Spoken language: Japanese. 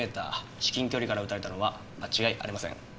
至近距離から撃たれたのは間違いありません。